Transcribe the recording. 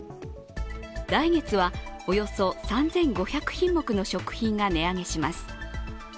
来月はおよそ３５００品目の食品が値上げします。